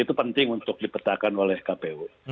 itu penting untuk dipetakan oleh kpu